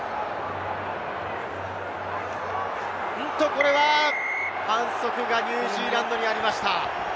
これは反則がニュージーランドにありました。